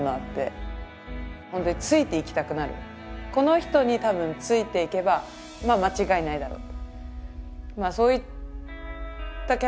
この人に多分ついていけばまあ間違いないだろう。